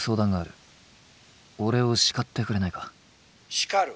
「叱る？